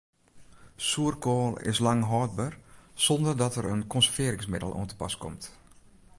Soerkoal is lang hâldber sonder dat der in konservearringsmiddel oan te pas komt.